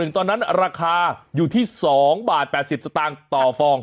๒๕๖๑ตอนนั้นราคาอยู่ที่๒๘๐บาทต่อฟอง